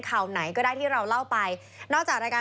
ชุวิตตีแสดหน้า